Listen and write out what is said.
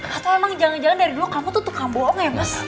atau emang jangan jangan dari dulu kamu tuh tukang bohong ya mas